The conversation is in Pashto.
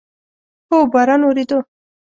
هو، باران اوورېدو